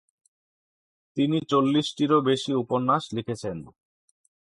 তিনি চল্লিশটিরও বেশি উপন্যাস লিখেছেন।